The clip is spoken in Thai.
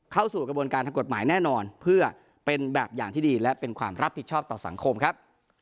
เข้าสู่กระบวนการทางกฎหมายแน่นอนเพื่อเป็นแบบอย่างที่ดีและเป็นความรับผิดชอบต่อสังคมครับ